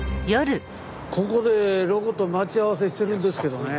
ここでロコと待ち合わせしてるんですけどね。